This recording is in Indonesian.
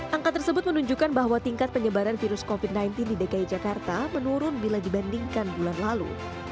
angka tersebut menunjukkan bahwa tingkat penyebaran virus covid sembilan belas di dki jakarta menurun bila dibandingkan bulan lalu